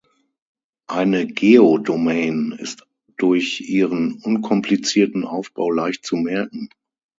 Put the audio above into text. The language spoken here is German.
Eine Geodomain ist durch ihren unkomplizierten Aufbau leicht zu merken.